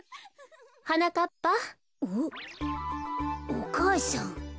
お母さん。